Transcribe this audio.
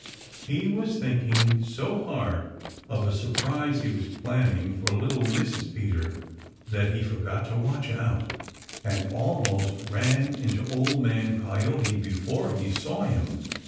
He was thinking so hard of a surprise he was planning for little Mrs. Peter that he forgot to watch out and almost ran into Old Man Coyote before he saw him.